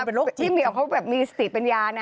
พี่เหมียวเขาแบบมีสติปัญญานะ